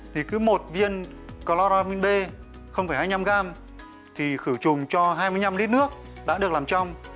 thì cứ một viên chloramin b hai mươi năm gram thì khử trùng cho hai mươi năm lít nước đã được làm trong